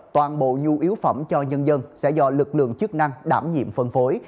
toàn bộ nhu yếu phẩm cho nhân dân sẽ do lực lượng chức năng đảm nhiệm phân phối